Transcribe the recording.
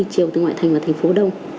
chiều từ ngoại thành vào thành phố đông